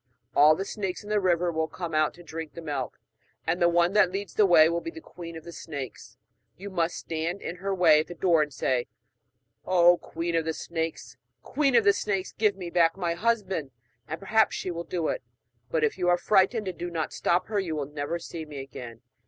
All the snakes in the river will come out to drink the milk, and the one that leads the way will be the queen of the snakes. You must stand in her way at the door, and say: "Oh, Queen of Snakes, Queen of Snakes, give me back my husband!" and perhaps she will do it. But if you are frightened, and do not stop her, you will never see me again.'